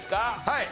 はい。